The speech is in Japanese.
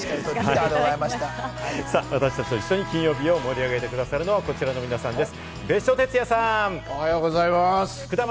私達と一緒に金曜日を盛り上げて下さるのは、こちらの皆さんです！